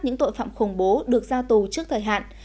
những tội phạm khủng bố được ra tù trước thời hạn